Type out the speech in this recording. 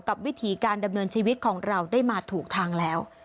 วิถีการดำเนินชีวิตของเราได้มาถูกทางแล้ว